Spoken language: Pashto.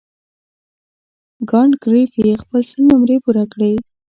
کانت ګریفي خپله سل نمرې پوره کړې.